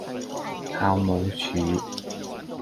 校務處